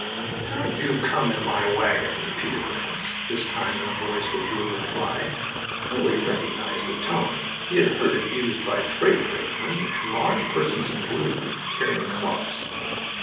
"How'd you come in my wagon?" repeated Ranse, this time in a voice that drew a reply. Curly recognised the tone. He had heard it used by freight brakemen and large persons in blue carrying clubs.